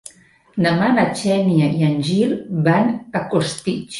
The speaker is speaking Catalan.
Demà na Xènia i en Gil van a Costitx.